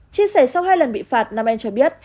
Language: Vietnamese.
chia sẻ sau hai lần bị phạt nam anh cho biết